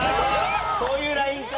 そういうラインか。